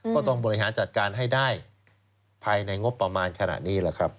ก็ต้องบริหารจัดการให้ได้ภายในงบประมาณขณะนี้แหละครับ